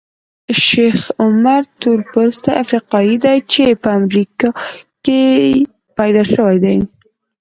شیخ عمر تورپوستی افریقایي دی چې په امریکا کې پیدا شوی دی.